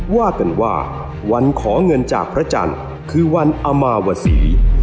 ว่ากันว่าวันขอเงินจากพระจันทร์คือวันอมาวศรี